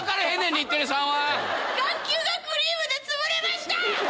眼球がクリームでつぶれました！